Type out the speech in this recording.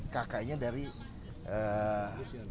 kakaknya dari mbak lusiana ini